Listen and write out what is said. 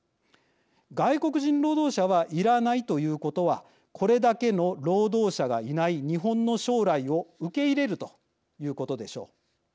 外国人労働者はいらないということはこれだけの労働者がいない日本の将来を受け入れるということでしょう。